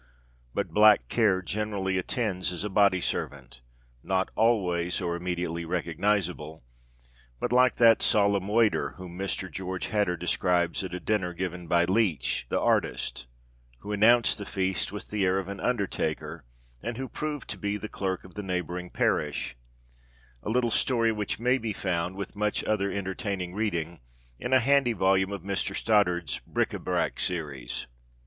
But black care generally attends as a body servant, not always or immediately recognizable, but like that solemn waiter whom Mr. George Hadder describes at a dinner given by Leech, the artist, who announced the feast with the air of an undertaker, and who proved to be the clerk of the neighboring parish, a little story which may be found, with much other entertaining reading, in a handy volume of Mr. Stoddard's "Bric à Brac Series."